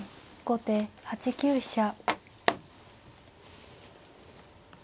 後手８九飛車。